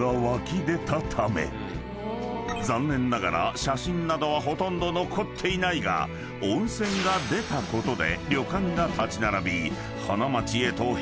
［残念ながら写真などはほとんど残っていないが温泉が出たことで］